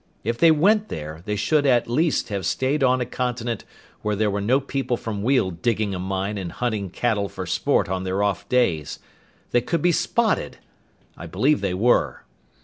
If they went there, they should at least have stayed on a continent where there were no people from Weald digging a mine and hunting cattle for sport on their off days! They could be spotted! I believe they were.